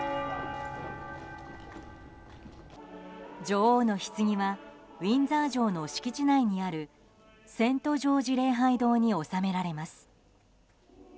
女王のひつぎはウィンザー城の敷地内にあるセント・ジョージ礼拝堂に納められます。